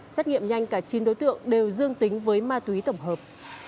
xét nghiệm nhanh cả chín đối tượng đều dương tính với ma túy tổng hợp